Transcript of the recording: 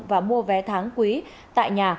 và mua vé tháng quý tại nhà